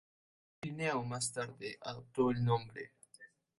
Linneo más tarde adoptó el nombre.